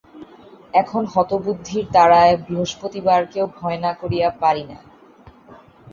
এখন হতবুদ্ধির তাড়ায় বৃহস্পতিবারকেও ভয় না করিয়া পারি না।